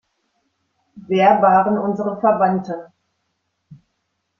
Wer waren unsere Verwandten?